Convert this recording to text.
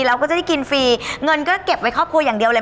เราก็จะได้กินฟรีเงินก็เก็บไว้ครอบครัวอย่างเดียวเลย